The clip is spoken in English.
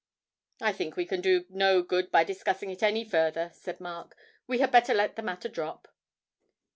'I think we can do no good by discussing it any farther,' said Mark; 'we had better let the matter drop.'